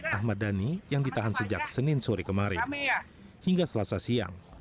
ahmad dhani yang ditahan sejak senin sore kemarin hingga selasa siang